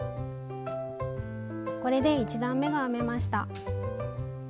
これで１段めが編めました。